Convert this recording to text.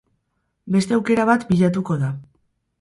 Beste aukera bat bilatuko da.